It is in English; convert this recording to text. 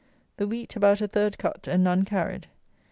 The wheat about a third cut, and none carried.